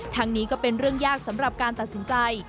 นี้ก็เป็นเรื่องยากสำหรับการตัดสินใจ